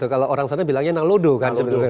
kalau orang sana bilangnya nalodo kan